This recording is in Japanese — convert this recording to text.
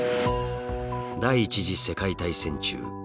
第１次世界大戦中